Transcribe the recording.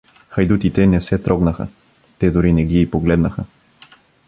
Хайдутите не се трогнаха, те дори не ги и погледнаха.